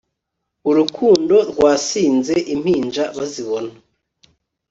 Urukundo rwasinze impinja bazibona